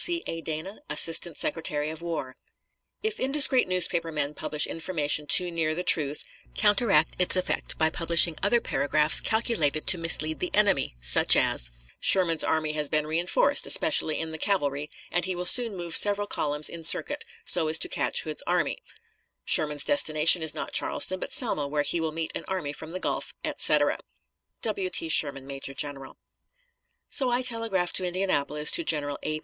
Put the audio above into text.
C. A. DANA, Assistant Secretary of War: If indiscreet newspaper men publish information too near the truth, counteract its effect by publishing other paragraphs calculated to mislead the enemy, such as "Sherman's army has been re enforced, especially in the cavalry, and he will soon move several columns in circuit, so as to catch Hood's army"; "Sherman's destination is not Charleston, but Selma, where he will meet an army from the Gulf," etc. W. T. SHERMAN, Major General. So I telegraphed to Indianapolis to General A.